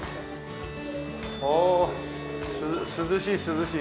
おお涼しい涼しい。